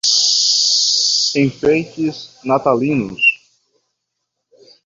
Enfeites natalinos